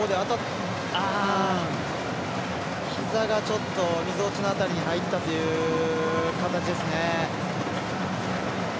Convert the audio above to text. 膝がちょっとみぞおちの辺りに入ったという形ですね。